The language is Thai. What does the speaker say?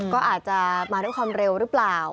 ก็อาจจะมาทุกค่อนเร็วหรือเปล่า